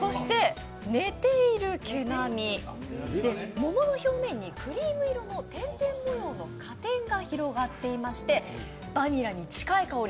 桃の上にクリーム色の点々、果点が広がっていまして、バニラに近い香り